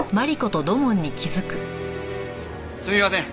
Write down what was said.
すみません。